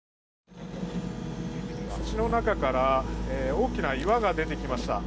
土の中から大きな岩が出てきました。